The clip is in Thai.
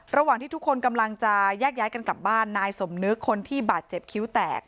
ระหว่างที่ทุกคนกำลังจะแยกย้ายกันกลับบ้านนายสมนึกคนที่บาดเจ็บคิ้วแตก